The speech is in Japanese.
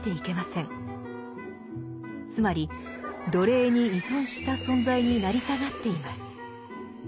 つまり奴隷に依存した存在に成り下がっています。